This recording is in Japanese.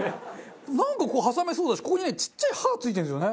なんかここ挟めそうだしここにねちっちゃい刃が付いてるんですよね。